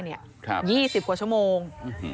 ๒๐หัวชั่วโมง